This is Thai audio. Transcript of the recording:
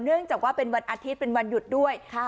เนื่องจากว่าเป็นวันอาทิตย์เป็นวันหยุดด้วย